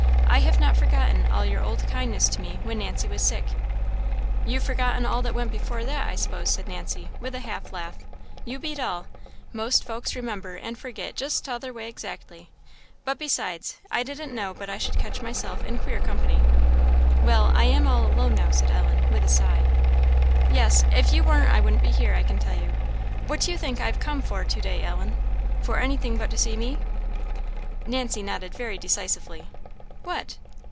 I have not forgotten all your old kindness to me when Aunt Fortune was sick." "You've forgotten all that went before that, I 'spose," said Nancy, with a half laugh. "You beat all! Most folks remember and forget just t'other way exactly. But, besides, I didn't know but I should catch myself in queer company." "Well I am all alone now," said Ellen, with a sigh. "Yes, if you warn't I wouldn't be here, I can tell you. What do you think I have come for to day, Ellen?" "For anything but to see me?" Nancy nodded very decisively. "What?"